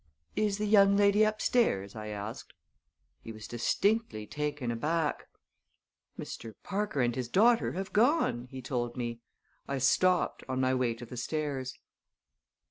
"Is the young lady upstairs?" I asked. He was distinctly taken aback. "Mr. Parker and his daughter have gone," he told me. I stopped on my way to the stairs.